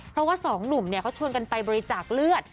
เพราะว่าสองหนุ่มเขาชวนกันไปบริจาคเลือด